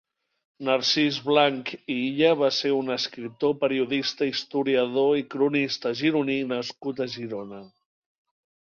Narcís Blanch i Illa va ser un escriptor, periodista, historiador i cronista gironí nascut a Girona.